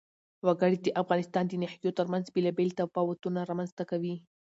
وګړي د افغانستان د ناحیو ترمنځ بېلابېل تفاوتونه رامنځ ته کوي.